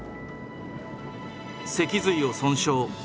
脊髄を損傷。